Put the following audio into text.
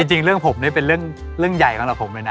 จริงเรื่องผมนี่เป็นเรื่องใหญ่สำหรับผมเลยนะ